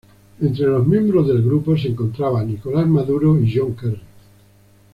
Entre los miembros del grupo se encontraba Nicolás Maduro y John Kerry.